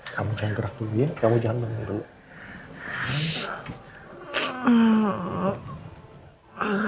kamu jangan gerak dulu ya kamu jangan bergerak dulu